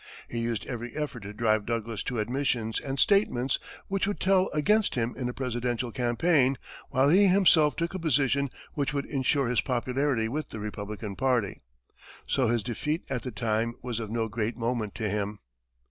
He used every effort to drive Douglas to admissions and statements which would tell against him in a presidential campaign, while he himself took a position which would insure his popularity with the Republican party. So his defeat at the time was of no great moment to him.